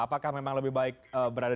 apakah memang lebih baik berada